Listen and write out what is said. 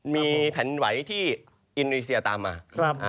มีแผ่นไหวที่อินโดนีเซียตามมา